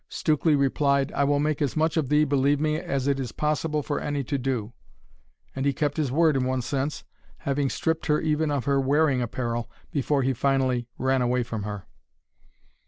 Stukely replied, "I will make as much of thee, believe me, as it is possible for any to do;" and he kept his word in one sense, having stripped her even of her wearing apparel, before he finally ran away from her.